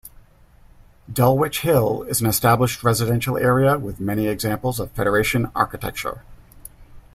Dulwich Hill is an established residential area with many examples of Federation architecture.